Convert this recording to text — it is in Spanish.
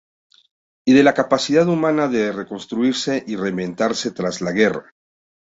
Y de la capacidad humana de reconstruirse y reinventarse tras la guerra.